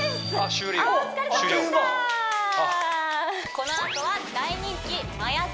このあとは大人気マヤっ